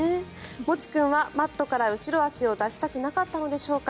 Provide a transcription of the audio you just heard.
もち君はマットから後ろ足を出したくなかったのでしょうか。